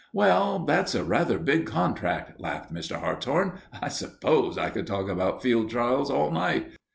"Well, that's a rather big contract," laughed Mr. Hartshorn. "I suppose I could talk about field trials all night.